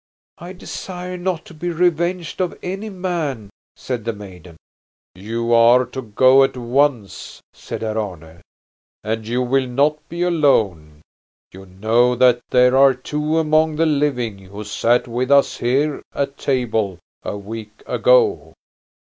"I desire not to be revenged on any man," said the maiden. "You are to go at once," said Herr Arne. "And you will not be alone. You know that there are two among the living who sat with us here at table a week ago."